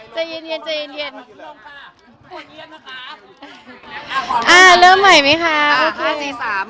ใจเย็นใจเย็นใจเย็นอ่าเริ่มใหม่ไหมค่ะอ่าห้าสี่สาม